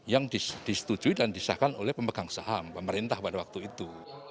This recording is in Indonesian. yang disetujui dan disahkan oleh pemegang saham pemerintah pada waktu itu